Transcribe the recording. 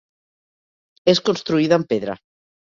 És construïda en pedra.